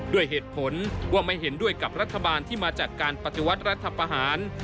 ด้วยเหตุผลว่าไม่เห็นด้วยกับรัฐบาลที่มาจากการปฏิวัติรัฐประหาร